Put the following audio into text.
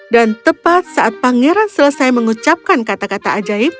dan tepat saat pangeran selesai mengucapkan kata kata ajaib